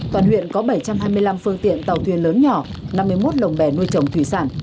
toàn huyện có bảy trăm hai mươi năm phương tiện tàu thuyền lớn nhỏ năm mươi một lồng bè nuôi trồng thủy sản